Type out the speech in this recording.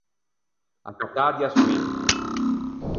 Accattâ de açioin.